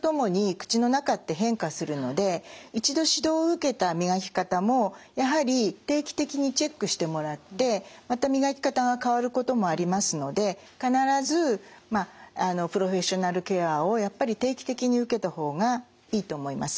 一度指導を受けた磨き方もやはり定期的にチェックしてもらってまた磨き方が変わることもありますので必ずプロフェッショナルケアをやっぱり定期的に受けた方がいいと思います。